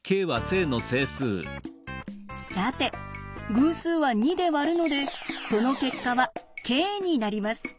さて偶数は２で割るのでその結果はｋになります。